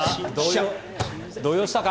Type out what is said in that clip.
動揺したか？